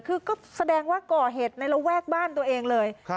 คือก็แสดงว่าก่อเหตุในระแวกบ้านตัวเองเลย